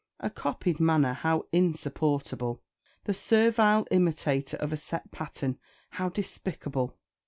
A copied manner, how insupportable! The servile imitator of a set pattern, how despicable!